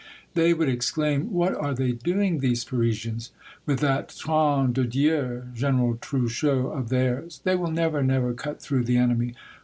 They would exclaim, " What are they doing, these Parisians, with that tro7i de Dieu General Trochu of theirs? They will never, never cut through the enemy